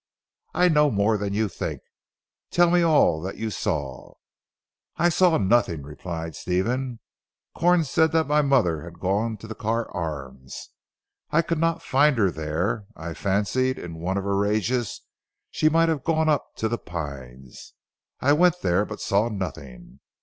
"I know more than you think. Tell me all that you saw?" "I saw nothing," replied Stephen. "Corn said that my mother had gone to the Carr Arms. I could not find her there. I fancied in one of her rages, she might have gone up to 'The Pines.' I went there but saw nothing.